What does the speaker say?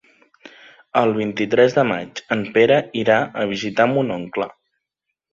El vint-i-tres de maig en Pere irà a visitar mon oncle.